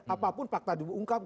apapun fakta diungkap